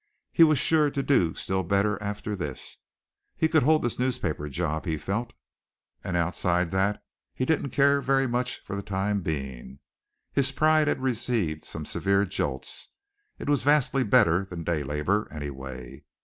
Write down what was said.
He was sure to do still better after this. He could hold this newspaper job, he felt, and outside that he didn't care very much for the time being; his pride had received some severe jolts. It was vastly better than day labor, anyway.